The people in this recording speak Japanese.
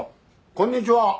こんにちは。